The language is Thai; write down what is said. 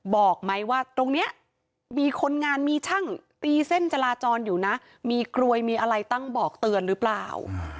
บอกไหมว่าตรงนี้มีคนงานมีช่างตีเส้นจราจรอยู่นะมีกลวยมีอะไรตั้งบอกเตือนหรือเปล่า